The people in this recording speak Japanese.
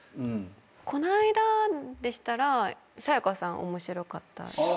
この間でしたらさや香さん面白かったですし。